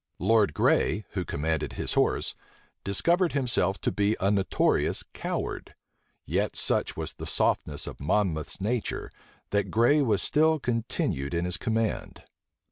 Lord Gray, who commanded his horse, discovered himself to be a notorious coward; yet such was the softness of Monmouth's nature, that Gray was still continued in his command.